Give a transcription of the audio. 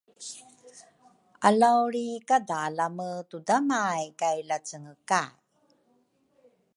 alauli kadalame tudamay kay lacengekay.